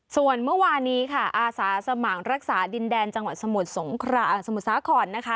ส่วนเมื่อวานี้ค่ะอาสาสมัครรักษาดินแดนจังหวัดสมุทรสาครนะคะ